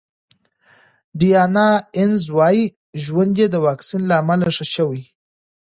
ډیانا اینز وايي ژوند یې د واکسین له امله ښه شوی.